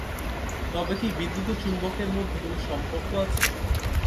তবে কি বিদ্যুৎ ও চুম্বকের মধ্যে কোনো সম্পর্ক আছে?